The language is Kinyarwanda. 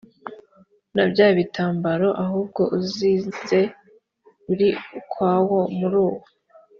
na bya bitambaro ahubwo uzinze uri ukwawo muri uwo